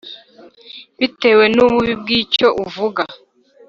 bitewe n’ububi bw’icyo uvuga